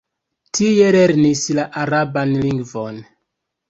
Tie lernis la araban lingvon.